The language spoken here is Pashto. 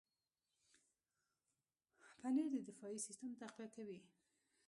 پنېر د دفاعي سیستم تقویه کوي.